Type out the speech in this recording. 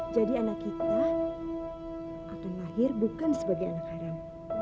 jadi anak kita akan lahir bukan sebagai anak haram